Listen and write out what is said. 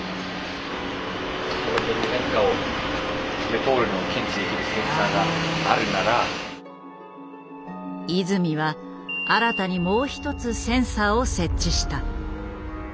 この辺に和泉は新たにもう一つセンサーを設置した。